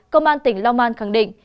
công an tỉnh long man khẳng định